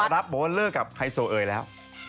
รับโบหารเลอร์กับไฮโซเอยแล้ว